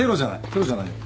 テロじゃないよ。